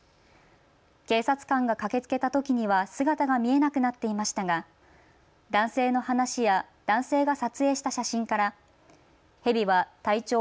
警察官が駆けつけたときには姿が見えなくなっていましたが男性の話や男性が撮影した写真からヘビは体長